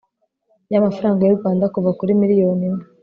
y amafaranga y u rwanda kuva kuri miliyoni imwe